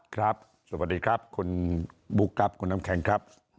ครับสวัสดีครับคุณบุ๊คครับคุณน้ำแข็งครับ